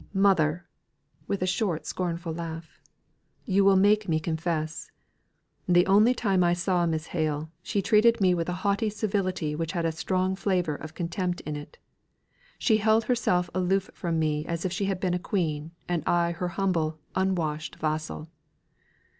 "Mother" (with a short scornful laugh), "you will make me confess. The only time I saw Miss Hale, she treated me with a haughty civility which had a strong flavour of contempt in it. She held herself aloof from me as if she had been a queen, and I her humble, unwashed vassal.